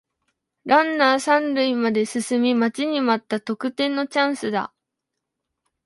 ランナー三塁まで進み待ちに待った得点のチャンスだ